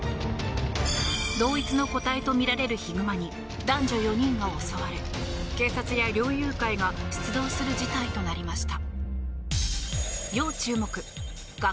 同一の個体とみられるヒグマに男女４人が襲われ警察や猟友会が出動する事態となりました。